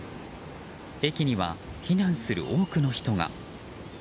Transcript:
駅には、避難する多くの人が。